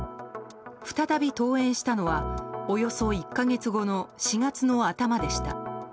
再び登園したのはおよそ１か月後の４月の頭でした。